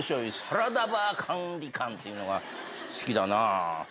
サラダバー管理官っていうのが好きだなぁ。